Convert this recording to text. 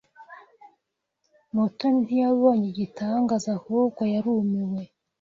Mutoni ntiyabonye igitangaza ahubwo yarumiwe.